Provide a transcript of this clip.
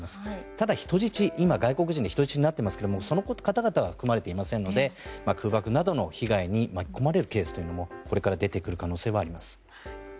ただ、外国人が人質になっていますがその方々は含まれていませんので空爆などの被害に巻き込まれるケースもこれから出てくる可能性はあります。